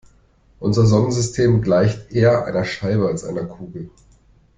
Unser Sonnensystem gleicht eher einer Scheibe als einer Kugel.